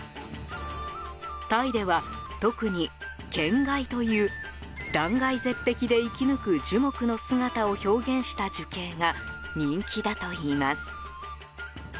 タイでは、特に懸崖という断崖絶壁で生き抜く樹木の姿を表現した樹形が人気だといいます。